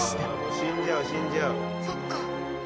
そっか。